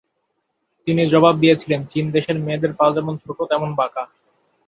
তিনি জবাব দিয়েছিলেন, চীন-দেশের মেয়েদের পা যেমন ছোটো, যেমন বাঁকা।